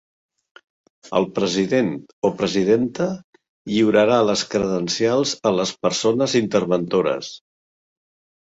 El president o presidenta lliurarà les credencials a les persones interventores.